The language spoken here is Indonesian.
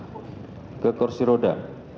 berita terkini mengenai kisah terjadi di kursi roda